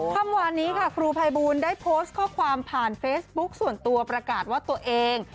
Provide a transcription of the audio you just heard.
เมื่อวานนี้ค่ะครูภัยบูลได้โพสต์ข้อความผ่านเฟซบุ๊คส่วนตัวประกาศว่าตัวเอง